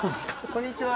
こんにちは」